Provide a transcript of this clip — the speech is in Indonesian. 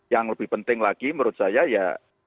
yang lebih penting lagi menurut saya ya